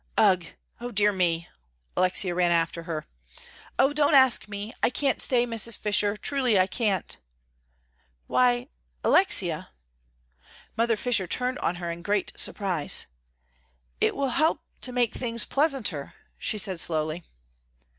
"Ugh, O dear me!" Alexia ran after her. "Oh, don't ask me; I can't stay, Mrs. Fisher, truly I can't." "Why, Alexia," Mother Fisher turned on her in great surprise, "it will help to make things pleasanter," she said slowly.